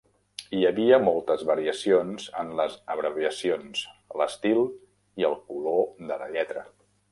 Hi havia moltes variacions en les abreviacions, l'estil i el color de la lletra.